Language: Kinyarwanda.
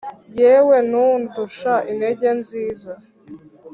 yewe ntundusha intege nziza